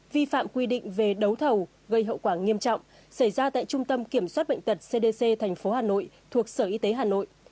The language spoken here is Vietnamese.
vi phạm quy định về đấu thầu gây hậu quả nghiêm trọng xảy ra tại trung tâm kiểm soát bệnh tật cdc tp hà nội thuộc sở y tế hà nội